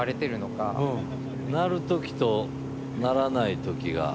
鳴る時と鳴らない時が。